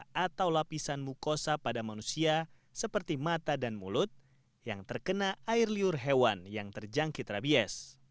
tapi ada juga yang terkena lapisan mukosa pada manusia seperti mata dan mulut yang terkena air liur hewan yang terjangkit rabies